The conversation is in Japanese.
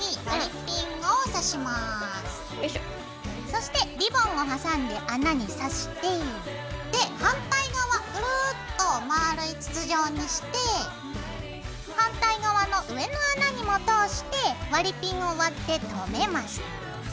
そしてリボンを挟んで穴にさして反対側グルッとまぁるい筒状にして反対側の上の穴にも通して割りピンを割ってとめます。